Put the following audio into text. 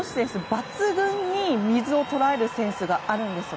抜群に水を捉えるセンスがあるんです。